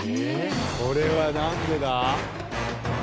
これはなんでだ？